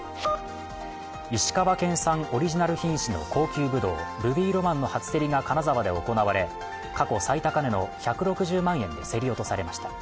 石川県産オリジナル品種の高級ぶどう初競りが金沢で行われ、過去最高値の１６０万円で競り落とされました。